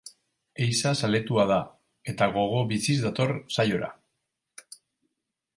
Ehiza zaletua da, eta gogo biziz dator saiora.